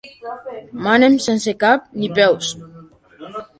Manem sense cap ni peus.